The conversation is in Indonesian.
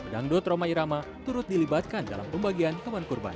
dangdut roma irama turut dilibatkan dalam pembagian hewan kurban